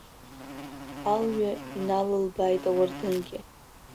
Алҩа иналылбааит ауардынгьы.